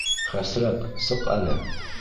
Хәсрәт, сыҡ әле!